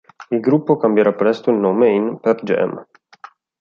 Il gruppo cambierà presto il nome in Pearl Jam.